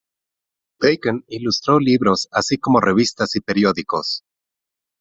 Bacon ilustró libros así como revistas y periódicos.